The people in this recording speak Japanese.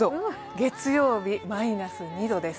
月曜日、マイナス２度です。